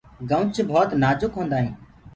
گنوُچ ڀوت نآجُڪ هوندآ هينٚ۔